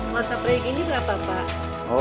masa proyek ini berapa pak